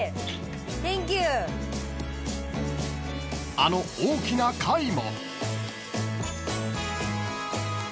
［あの大きな貝も］